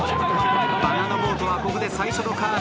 バナナボートはここで最初のカーブ。